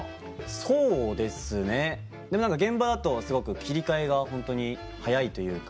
そうですねでも現場だとすごく切り替えがホントに早いというか。